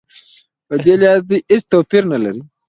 په دې لحاظ دوی هېڅ توپیر سره نه لري.